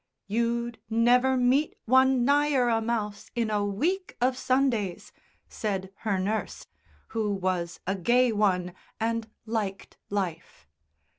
"You'd never meet one nigher a mouse in a week of Sundays," said her nurse, who was a "gay one" and liked life.